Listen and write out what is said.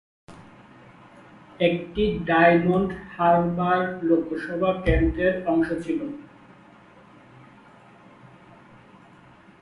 এটি ডায়মন্ড হারবার লোকসভা কেন্দ্রের অংশ ছিল।